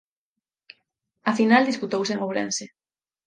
A final disputouse en Ourense.